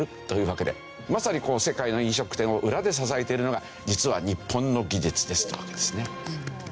まさに世界の飲食店を裏で支えているのが実は日本の技術ですというわけですね。